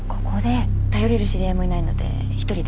頼れる知り合いもいないので一人で。